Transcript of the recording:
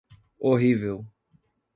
Horrível.